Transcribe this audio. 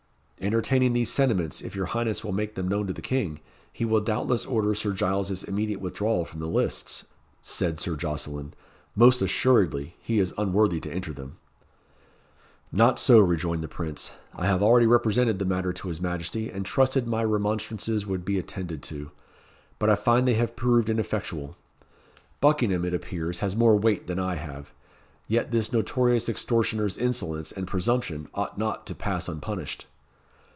"Entertaining these sentiments, if your highness will make them known to the King, he will doubtless order Sir Giles's immediate withdrawal from the lists," said Sir Jocelyn. "Most assuredly he is unworthy to enter them." "Not so," rejoined the Prince. "I have already represented the matter to his Majesty, and trusted my remonstrances would be attended to. But I find they have proved ineffectual. Buckingham, it appears, has more weight than I have. Yet this notorious extortioner's insolence and presumption ought not to pass unpunished."